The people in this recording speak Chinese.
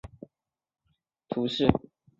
维朗涅尔人口变化图示